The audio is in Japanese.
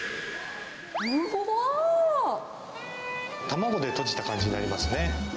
卵でとじた感じになりますね。